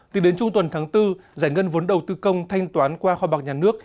tính đến trung tuần tháng bốn giải ngân vốn đầu tư công thanh toán qua kho bạc nhà nước